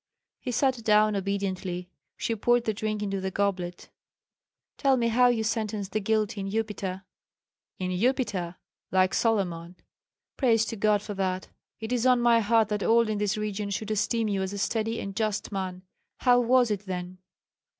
He sat down obediently; she poured the drink into the goblet. "Tell me how you sentenced the guilty in Upita." "In Upita? Like Solomon!" "Praise to God for that! It is on my heart that all in this region should esteem you as a steady and just man. How was it then?"